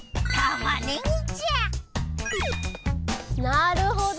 なるほど。